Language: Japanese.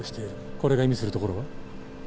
これが意味するところは？